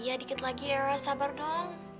iya dikit lagi ya erwa sabar dong